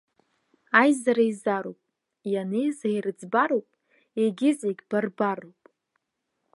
Аизара еизароуп, ианеиза ирыӡбароуп, егьи зегь барбарроуп.